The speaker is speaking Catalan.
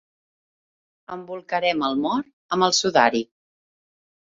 Embolcarem el mort amb el sudari.